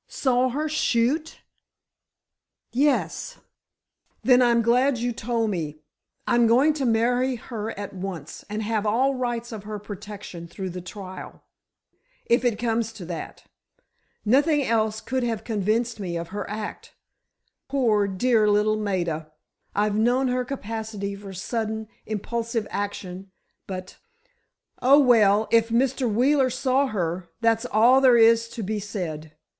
"Saw her shoot?" "Yes." "Then, I'm glad you told me. I'm going to marry her at once, and have all rights of her protection through the trial—if it comes to that. Nothing else could have convinced me of her act! Poor, dear little Maida. I've known her capability for sudden, impulsive action but—oh, well, if Mr. Wheeler saw her—that's all there is to be said.